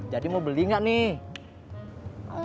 jadi mau beli nggak nih